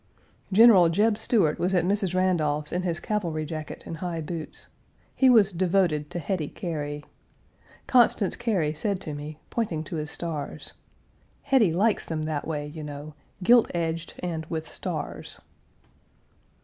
General Jeb Stuart was at Mrs. Randolph's in his cavalry jacket and high boots. He was devoted to Hetty Cary. Constance Cary said to me, pointing to his stars, "Hetty likes them that way, you know gilt edged and with stars."